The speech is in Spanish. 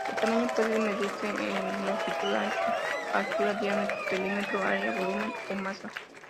El tamaño puede medirse en longitud, ancho, altura, diámetro, perímetro, área, volumen o masa.